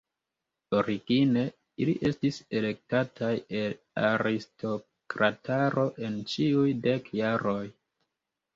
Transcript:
Origine ili estis elektataj el aristokrataro en ĉiuj dek jaroj.